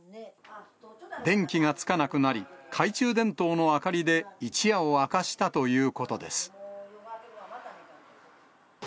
電気がつかなくなり、懐中電灯のあかりで一夜を明かしたということです。